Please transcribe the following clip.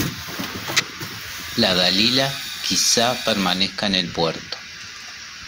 " la Dalila " quizá permanezca en el puerto: